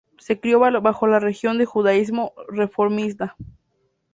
Se crio bajo la religión de Judaísmo reformista.